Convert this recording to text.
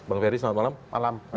bang ferry selamat malam